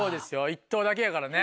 １投だけやからね。